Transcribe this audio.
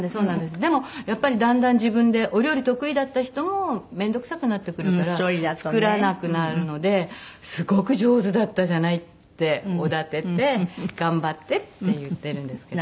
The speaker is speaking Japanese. でもやっぱりだんだん自分でお料理得意だった人もめんどくさくなってくるから作らなくなるのですごく上手だったじゃないっておだてて頑張ってって言ってるんですけど。